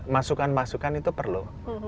masukan masukan itu perlu